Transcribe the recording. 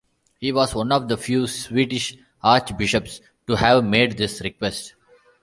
He was one of the few Swedish archbishops to have made this request.